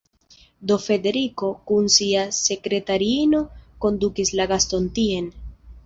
Do Frederiko kun sia sekretariino kondukis la gaston tien.